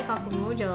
じゃあ。